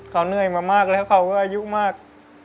เขาเหนื่อยมามากแล้วเขาก็อายุมาก